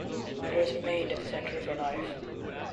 Writers remained at the centre of her life.